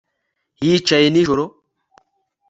Yicaye nijoro